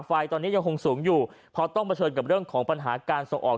ไฟตอนนี้ยังคงสูงอยู่เพราะต้องเผชิญกับเรื่องของปัญหาการส่งออก